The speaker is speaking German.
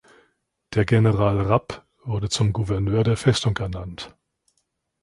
Der General Rapp wurde zum Gouverneur der Festung ernannt.